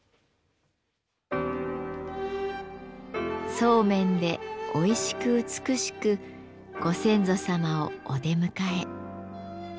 そうめんでおいしく美しくご先祖様をお出迎え。